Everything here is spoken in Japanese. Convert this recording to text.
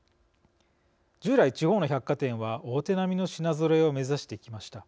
従来地方の百貨店は大手並みの品ぞろえを目指してきました。